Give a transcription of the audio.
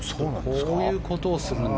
こういうことをするんだ。